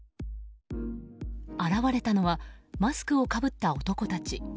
現れたのはマスクをかぶった男たち。